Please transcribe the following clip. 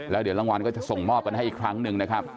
แล้วเดี๋ยวรางวัลก็จะส่งมอบกันให้อีกครั้งหนึ่งนะครับ